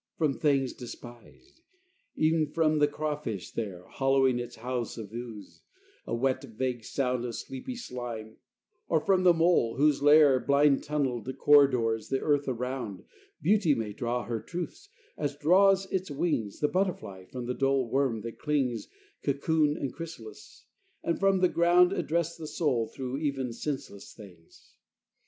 From things despised. Ev'n from the crawfish there, Hollowing its house of ooze a wet, vague sound Of sleepy slime; or from the mole, whose lair, Blind tunneled, corridors the earth around Beauty may draw her truths, as draws its wings The butterfly from the dull worm that clings, Cocoon and chrysalis; and from the ground Address the soul through even senseless things.